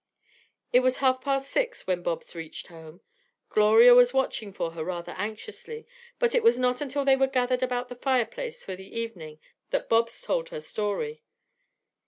It was half past six o'clock when Bobs reached home. Gloria was watching for her rather anxiously, but it was not until they were gathered about the fireplace for the evening that Bobs told her story.